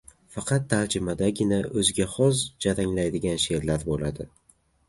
— Faqat tarjimadagina o‘ziga xos jaranglaydigan she’rlar bo‘ladi.